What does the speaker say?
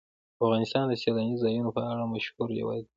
افغانستان د سیلاني ځایونو په اړه مشهور روایتونه لري.